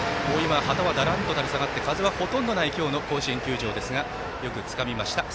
旗は、だらんと垂れ下がって風は、ほとんどない今日の甲子園球場です。